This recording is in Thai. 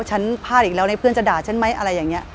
ฉันพลาดอีกแล้วนะเพื่อนจะด่าฉันไหมอะไรอย่างนี้